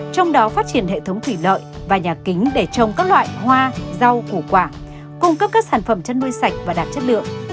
trong đó phát triển hệ thống thủy lợi và nhà kính để trồng các loại hoa rau củ quả cung cấp các sản phẩm chăn nuôi sạch và đạt chất lượng